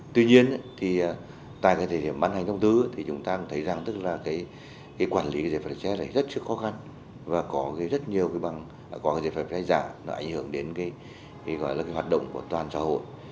tuy nhiên tại thời điểm ban hành thông tư thì chúng ta thấy rằng tức là quản lý giấy phép lái xe này rất là khó khăn và có rất nhiều giấy phép lái giả nó ảnh hưởng đến hoạt động của toàn xã hội